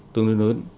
tương đối lớn